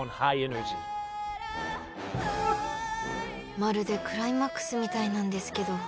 ［まるでクライマックスみたいなんですけど］